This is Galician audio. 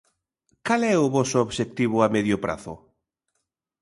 Cal é o voso obxectivo a medio prazo?